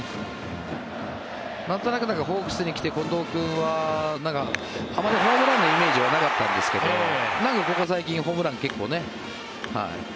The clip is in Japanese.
なんとなくホークスに来て近藤君はあまりホームランのイメージはなかったんですけどここ最近、ホームランが結構ね。